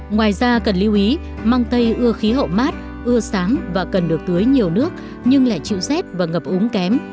ngoài ra cần lưu ý mang tây ưa khí hậu mát ưa sáng và cần được tưới nhiều nước nhưng lại chịu rét và ngập úng kém